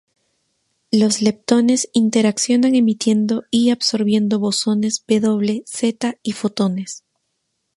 Los leptones interaccionan emitiendo y absorbiendo bosones W, Z y fotones.